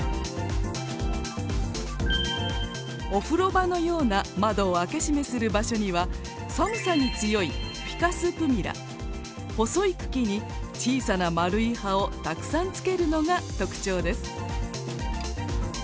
お風呂場のような窓を開け閉めする場所には寒さに強い細い茎に小さな丸い葉をたくさんつけるのが特徴です。